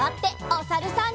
おさるさん。